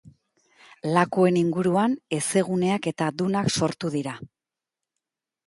Lakuen inguruan hezeguneak eta dunak sortu dira.